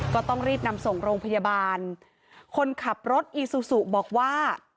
ก็ต้องรีบนำส่งโรงพยาบาลคนขับรถอีซูซูบอกว่า